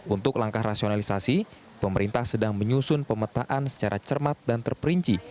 untuk langkah rasionalisasi pemerintah sedang menyusun pemetaan secara cermat dan terperinci